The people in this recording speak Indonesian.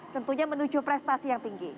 tentunya menuju prestasi yang tinggi